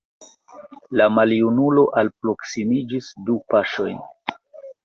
La maljunulo alproksimiĝis du paŝojn.